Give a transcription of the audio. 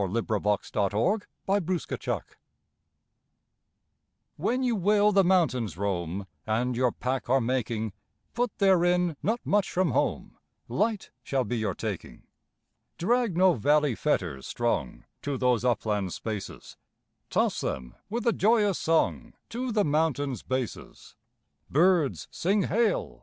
MOUNTAIN SONG (FROM A HAPPY BOY) When you will the mountains roam And your pack are making, Put therein not much from home, Light shall be your taking! Drag no valley fetters strong To those upland spaces, Toss them with a joyous song To the mountains' bases! Birds sing Hail!